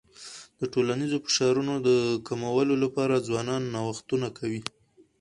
د ټولنیزو فشارونو د کمولو لپاره ځوانان نوښتونه کوي.